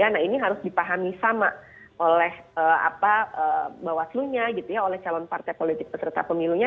nah ini harus dipahami sama oleh bawaslu nya calon partai politik peserta pemilu nya